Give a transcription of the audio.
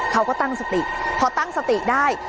เขาก็ตั้งสติพอตั้งสติได้